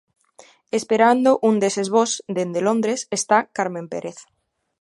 Esperando un deses voos dende Londres está Carmen Pérez...